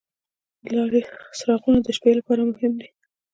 د لارې څراغونه د شپې لپاره مهم دي.